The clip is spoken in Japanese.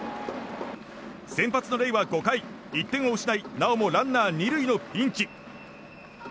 先発のレイは、５回１点を失いなおもランナー２塁のピンチ。